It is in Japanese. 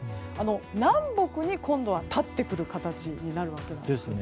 南北に立ってくる形になるわけです。